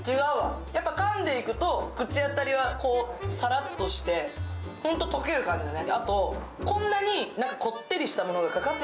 かんでいくと口当たりはさらっとして、本当に溶ける感じだね。